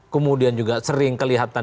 kemudian juga sering kelihatan